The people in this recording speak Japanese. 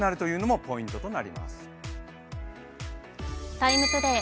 「ＴＩＭＥ，ＴＯＤＡＹ」